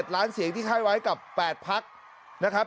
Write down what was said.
ล้านเสียงที่ให้ไว้กับ๘พักนะครับ